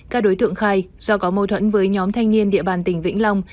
các đối tượng khai do có mâu thuẫn với nhóm thanh niên địa bàn tỉnh vĩnh long